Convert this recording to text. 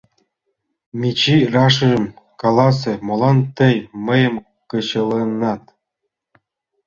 Мичий, рашыжым каласе: молан тый мыйым кычалынат?